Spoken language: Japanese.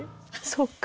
そっか。